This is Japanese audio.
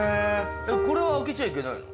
これは開けちゃいけないの？